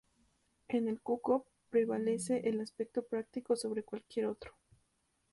En el cuco prevalece el aspecto práctico sobre cualquier otro.